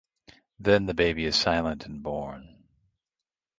Then the baby is silent and born.